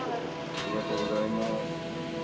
ありがとうございます。